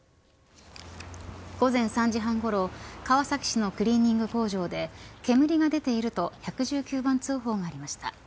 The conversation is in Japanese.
午前３時半ごろ川崎市のクリーニング工場で煙が出ていると１１９番通報がありました。